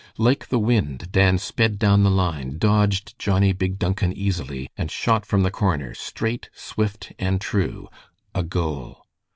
Like the wind Dan sped down the line, dodged Johnnie Big Duncan easily, and shot from the corner, straight, swift, and true, a goal.